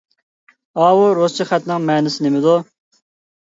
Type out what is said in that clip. ئاۋۇ رۇسچە خەتنىڭ مەنىسى نېمىدۇ؟